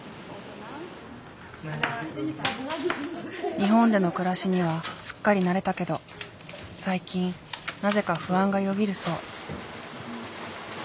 日本での暮らしにはすっかり慣れたけど最近なぜか不安がよぎるそう。